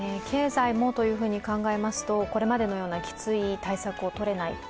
経済もというふうに考えますとこれまでのようなきつい対策とれない。